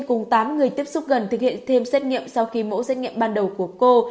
cùng tám người tiếp xúc gần thực hiện thêm xét nghiệm sau khi mẫu xét nghiệm ban đầu của cô